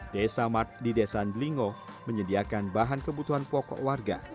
desa mart di desa andelingo menyediakan bahan kebutuhan pokok warga